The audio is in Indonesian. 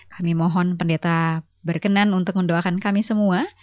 kami mohon pendeta berkenan untuk mendoakan kami semua